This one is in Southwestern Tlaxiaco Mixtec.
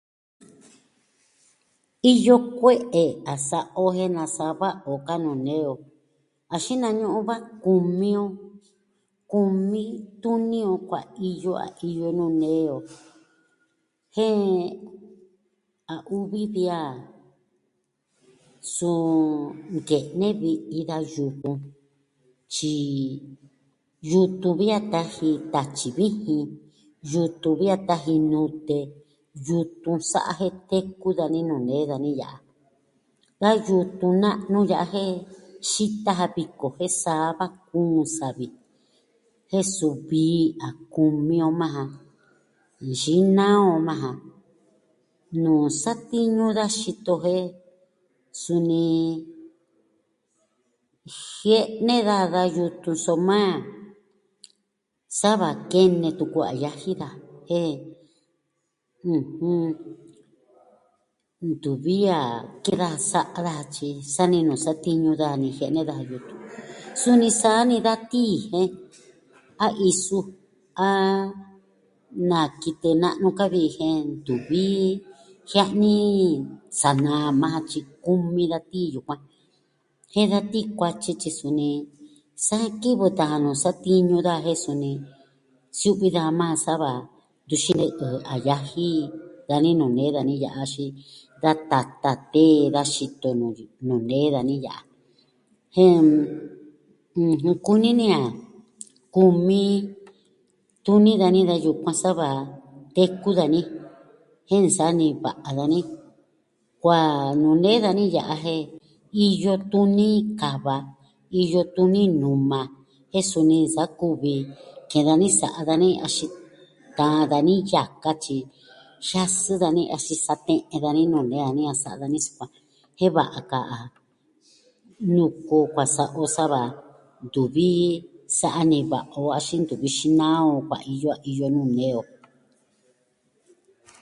Iyo kue'e a sa'a o jen na sa'a va'a o kaa nuu nee o. A xinañu'un va kumi on. Kumi tuni on kuaiyo a iyo nuu nee o. Jen a uvi vi a, suu, nke'ne vi'i da yutun. Tyi yutun vi a taji tatyi vijin, yutun vi a taji nute. yutun sa'a jen teku dani nuu nee dani ya'a. Da yutun na'nu ya'a jen xita ja viko jen saa va kuun savi. Jen suvi a kumi on majan. Nxinaa on majan. nuu satiñu da xito jen suni jie'ne daja da yutun soma sa va kene tuku a yaji daja. jen ɨjɨn, ntuvi a ke'en daja sa'a daja tyi sa ni nuu satiñu daja nijian nee da yutun. Suni saa ni da tii, jen, a isu, a... na kitɨ na'nu ka vi jen ntuvi jia'ni sa naa majan tyi kumi da tii yukuan. Jen da tii kuatyi tyi suni sa kivɨ tan jan nuu satiñu daja jen suni siu'vi daja majan sava, ntu xinɨ'ɨ jɨ a yaji dani nuu nee dani ya'a, axin, da tatan tee da xito, nu... nuu nee dani ya'a. Jen, ɨjɨn, kuni ni a kumi tuni dani da yukuan sa va teku dani. Jen nsa'a niva'a dani. Kua nuu ne dani ya'an jen iyo tuni kava, iyo tuni numa jen suni saa kuvi ke'en dani sa'a dani axin taan dani yaka tyi, jiasɨ dani axin sa'a te'en dani nuu nee dani a sa'a dani sukuan. Jen va'a ka a. Nuku o kua sa'a o, sava, ntuvi sa'a niva'a o axin ntuvi xinaa on kuaiyo a iyo nuu nee o.